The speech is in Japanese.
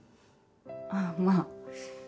ああまあ。